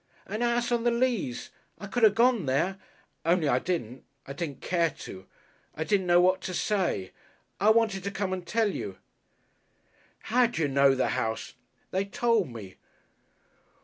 "A 'ouse on the Leas. I could have gone there. Only I didn't. I didn't care to. I didn't know what to say. I wanted to come and tell you." "How d'yer know the 'ouse ?" "They told me."